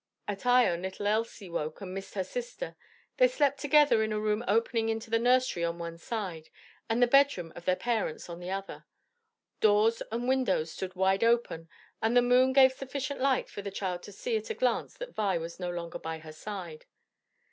At Ion little Elsie woke and missed her sister. They slept together in a room opening into the nursery on one side, and the bedroom of their parents on the other. Doors and windows stood wide open and the moon gave sufficient light for the child to see at a glance that Vi was no longer by her side.